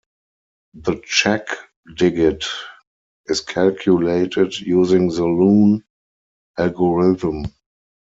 The check digit is calculated using the Luhn algorithm.